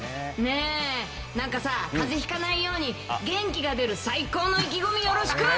なんかさ、かぜひかないように、元気が出る最高の意気込み、よろしく！